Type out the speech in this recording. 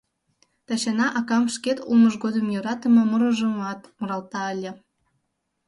Тачана акам шкет улмыж годым йӧратыме мурыжымат муралта ыле.